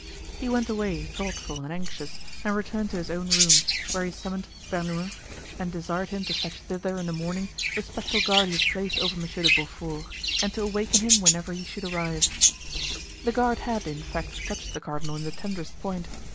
He went away thoughtful and anxious and returned to his own room, where he summoned Bernouin and desired him to fetch thither in the morning the special guard he had placed over Monsieur de Beaufort and to awaken him whenever he should arrive. The guard had, in fact, touched the cardinal in the tenderest point.